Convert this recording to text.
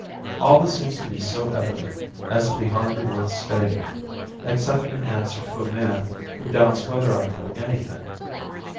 All this seems to be so evident as to be hardly worth stating, except in answer to a man who doubts whether I know anything.